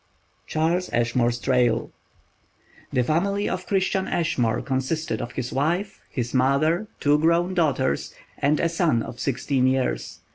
CHARLES ASHMORE'S TRAIL THE family of Christian Ashmore consisted of his wife, his mother, two grown daughters, and a son of sixteen years.